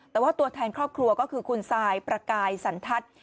แต่ว่าตัวแทนครอบครัวก็คือคุณซายประกายสันทัศน์